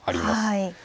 はい。